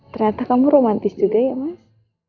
ternyata kamu romantis juga ya mas